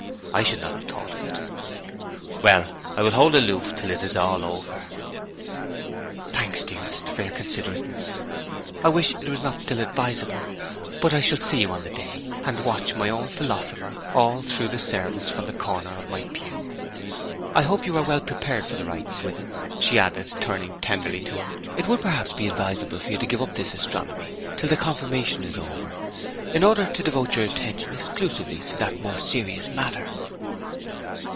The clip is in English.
I should not have thought of it.' 'Well, I will hold aloof till it is all over.' 'Thanks, dearest, for your considerateness. I wish it was not still advisable! But I shall see you on the day, and watch my own philosopher all through the service from the corner of my pew! ... I hope you are well prepared for the rite, Swithin?' she added, turning tenderly to him. 'It would perhaps be advisable for you to give up this astronomy till the confirmation is over, in order to devote your attention exclusively to that more serious matter.'